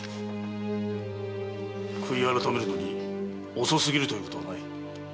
悔い改めるのに遅すぎるということはない。